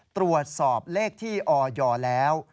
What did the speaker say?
ตรวจสอบเลขที่ออยแล้ว